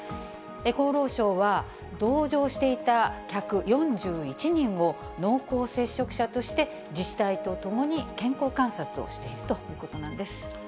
厚労省は同乗していた客４１人を濃厚接触者として、自治体と共に健康観察をしているということなんです。